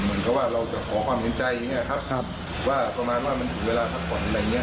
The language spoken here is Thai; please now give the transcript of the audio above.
เหมือนกับว่าเราจะขอความเห็นใจอย่างเงี้ยครับว่าประมาณว่ามันถึงเวลาพักผ่อนอะไรอย่างเงี้